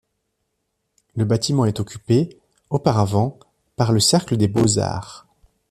Le bâtiment est occupé, auparavant, par le cercle des beaux-arts.